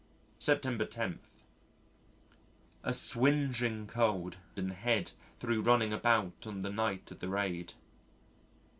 September 10. A swingeing cold in the head thro' running about on the night of the raid.